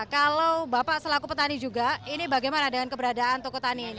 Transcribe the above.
kalau bapak selaku petani juga ini bagaimana dengan keberadaan toko tani ini